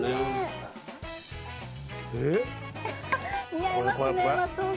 似合いますね松尾さん。